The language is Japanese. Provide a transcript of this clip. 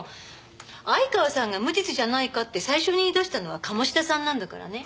相川さんが無実じゃないかって最初に言い出したのは鴨志田さんなんだからね。